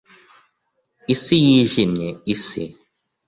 isi yijimye, isi;